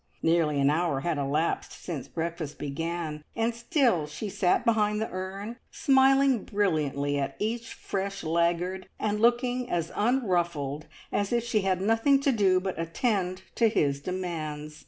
Nearly an hour had elapsed since breakfast began, and still she sat behind the urn, smiling brilliantly at each fresh laggard, and looking as unruffled as if she had nothing to do but attend to his demands!